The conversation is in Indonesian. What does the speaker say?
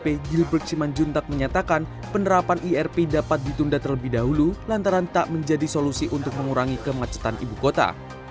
bp gilberg simanjuntak menyatakan penerapan irp dapat ditunda terlebih dahulu lantaran tak menjadi solusi untuk mengurangi kemacetan ibu kota